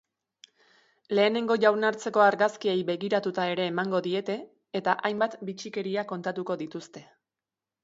Lehenengo jaunartzeko argazkiei begiratua ere emango diete, eta hainbat bitxikeria kontatuko dituzte.